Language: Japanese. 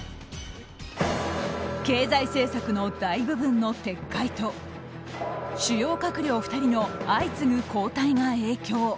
経済政策の大部分の撤回と主要閣僚２人の相次ぐ交代が影響。